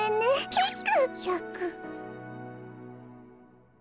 ヒック。